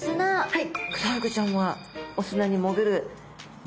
はい。